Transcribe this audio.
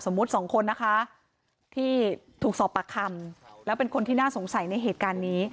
สองคนนะคะที่ถูกสอบปากคำแล้วเป็นคนที่น่าสงสัยในเหตุการณ์นี้